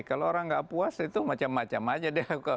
kalau orang nggak puas itu macam macam aja deh